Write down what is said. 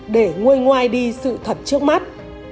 để nguôi ngoài đi sự thật trước mắt